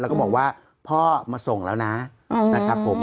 แล้วก็บอกว่าพ่อมาส่งแล้วนะนะครับผม